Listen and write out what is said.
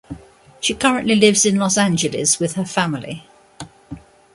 She currently lives in Los Angeles with her family.